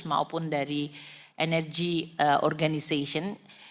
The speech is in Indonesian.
maupun dari energy organization